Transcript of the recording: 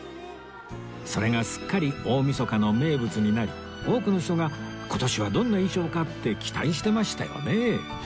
それがすっかり大晦日の名物になり多くの人が今年はどんな衣装かって期待してましたよね